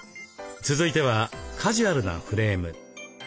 続いてはカジュアルなフレーム。